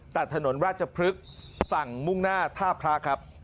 ตัดถนนราชพฤกษ์ฝั่งมุ่งหน้าท่าพระครับ